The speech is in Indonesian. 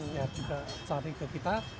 ya juga cari ke kita